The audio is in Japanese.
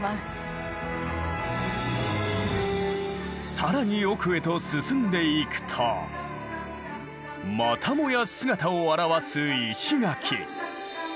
更に奥へと進んでいくとまたもや姿を現す石垣。